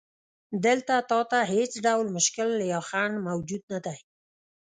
دلته تا ته هیڅ ډول مشکل یا خنډ موجود نه دی.